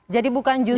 jadi bukan justru